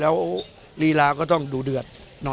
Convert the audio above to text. แล้วลีลาก็ต้องดูเดือด